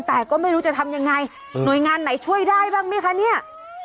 แต่ก็ไม่รู้จะทำยังไงหน่วยงานไหนช่วยได้บ้างไหมคะเนี่ย